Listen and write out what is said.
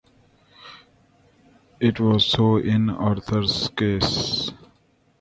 It was so in Arthur's case.